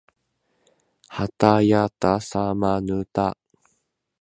はたやたさまぬた